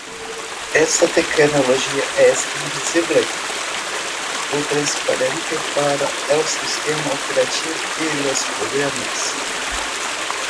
Esta tecnología es invisible o transparente para el sistema operativo y los programas.